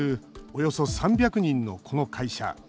およそ３００人のこの会社。